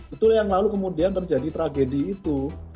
itu yang lalu kemudian terjadi tragedi itu